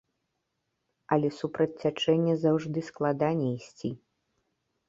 Але супраць цячэння заўжды складаней ісці.